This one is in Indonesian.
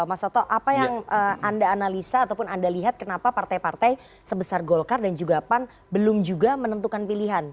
mas toto apa yang anda analisa ataupun anda lihat kenapa partai partai sebesar golkar dan juga pan belum juga menentukan pilihan